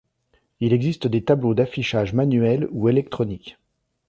Il existe des tableaux d'affichage manuels ou électroniques.